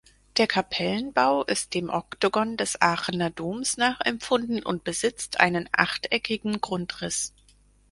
Der Kapellenbau ist dem Oktogon des Aachener Doms nachempfunden und besitzt einen achteckigen Grundriss.